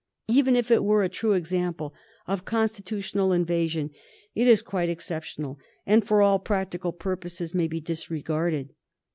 Even if it were a true example of constitutional invasion it is quite excep tional, and for all practical purposes may be disregarded.